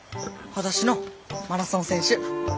はだしのマラソン選手。